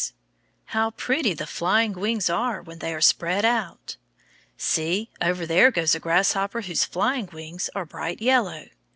How pretty the flying wings are when they are spread out! See, over there goes a grasshopper whose flying wings are bright yellow.